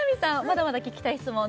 まだまだ聞きたい質問